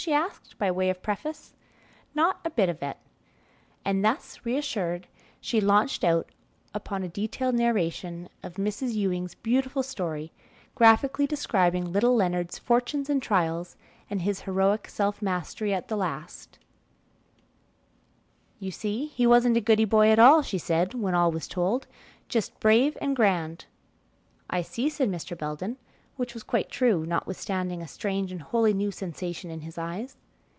she asked, by way of preface. "Not a bit of it." And thus reassured, she launched out upon a detailed narration of Mrs. Ewing's beautiful story, graphically describing little Leonard's fortunes and trials, and his heroic self mastery at the last. [Illustration: 0044] "You see he wasn't a goody boy at all," she said, when all was told, "just brave and grand." "I see," said Mr. Belden, which was quite true, notwithstanding a strange and wholly new sensation in his eyes.